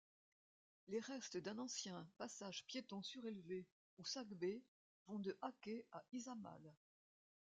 Les restes d’un ancien passage piéton surélevé ou sacbé vont de Aké à Izamal.